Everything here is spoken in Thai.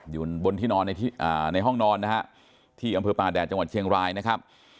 อยู่ในห้องนอนที่กรรมปลาแดดจเชียงร้ายนะครับ